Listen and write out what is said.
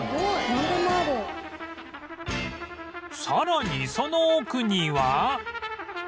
さらにその奥には